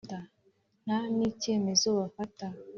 Nta n icyemezo bafata